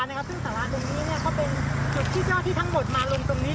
ซึ่งสาราตรงนี้ก็เป็นจุดที่เจ้าหน้าที่ทั้งหมดมาลงตรงนี้